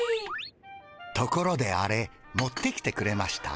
ところでアレ持ってきてくれました？